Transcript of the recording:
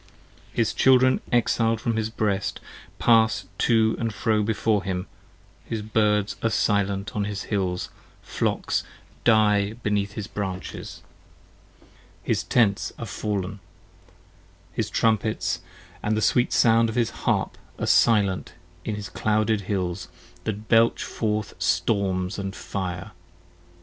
p. 19 HIS Children exil'd from his breast, pass to and fro before him, His birds are silent on his hills, flocks die beneath his branches, '9 His tents are fall'n: his trumpets, and the sweet sound of his harp, Are silent on his clouded hills, that belch forth storms & fire.